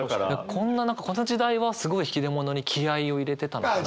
こんな何かこの時代はすごい引出物に気合いを入れてたのかなって。